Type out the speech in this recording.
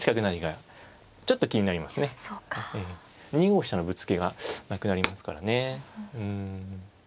２五飛車のぶつけがなくなりますからね。